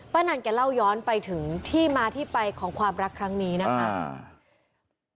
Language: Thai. นันแกเล่าย้อนไปถึงที่มาที่ไปของความรักครั้งนี้นะคะ